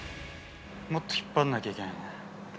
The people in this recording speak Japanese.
もっと引っ張んなきゃいけない。